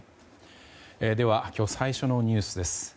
では、今日最初のニュースです。